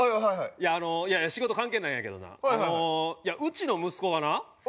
いやあの仕事関係ないんやけどなうちの息子がな